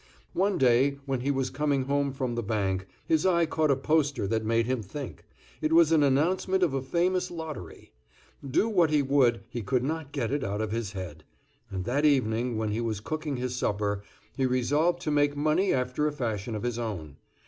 One day, when he was coming home from the bank, his eye caught a poster that made him think; it was an announcement of a famous lottery. Do what he would he could not get it out of his head; and that evening, when he was cooking his supper, he resolved to make money after a fashion of his own.